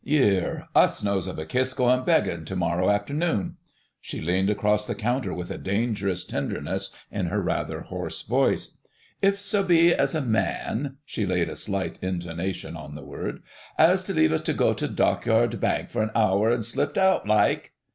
"Yeer!—us knows of a kiss goin' beggin' tu morrow afternoon." She leaned across the counter with a dangerous tenderness in her rather hoarse voice, "If so be as a man (she laid a slight intonation on the word) as't leave tu go tu Dockyard Bank for'n hour, an' slipped out, laike...."